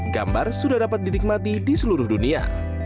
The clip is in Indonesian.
gambar sudah dapat dinikmati di seluruh dunia